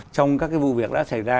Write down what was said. trong các cái vụ việc đã xảy ra